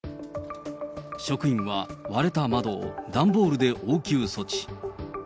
職員は割れた窓を段ボールで応急措置。